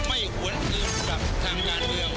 ไม่หวนอื่นกับทางงานเดียว